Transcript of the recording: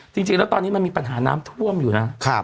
จริงแล้วตอนนี้มันมีปัญหาน้ำท่วมอยู่นะ